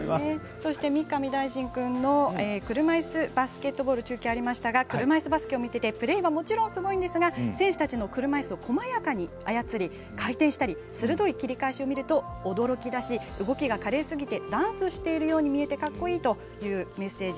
そして、三上大進君の車いすバスケットボールの中継ありましたが車いすバスケを見ててプレーはもちろんすごいんですが選手たちの車いすを細やかに操り回転したり鋭い切り返しを見ると驚きだし、動きが華麗すぎてダンスしてるように見えてかっこいいというメッセージ